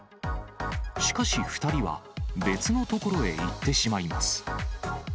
しかし２人は、別の所へ行ってしまいます。